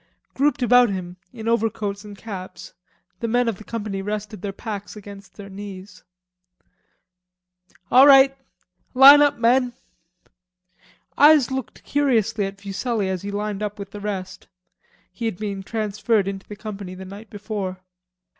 Grouped about him, in overcoats and caps, the men of the company rested their packs against their knees. "All right; line up, men." Eyes looked curiously at Fuselli as he lined up with the rest. He had been transferred into the company the night before.